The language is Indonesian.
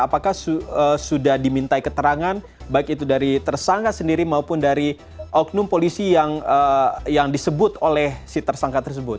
apakah sudah dimintai keterangan baik itu dari tersangka sendiri maupun dari oknum polisi yang disebut oleh si tersangka tersebut